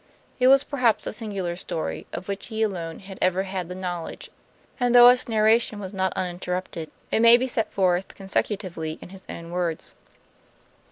It was perhaps a singular story, of which he alone had ever had the knowledge; and though its narration was not uninterrupted, it may be set forth consecutively in his own words.